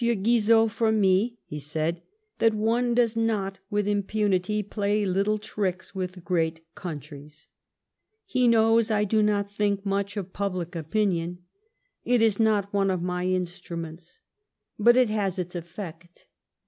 Gnizot from mie [he said] that one does not with impunity play little tricks with great countries. He knows I do not thinlt much of public opinion, it is not one of my instruments, but it has its «£fect.